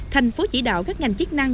thành phố chỉ đạo các ngành chức năng